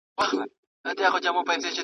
زه به سپينکۍ مينځلي وي!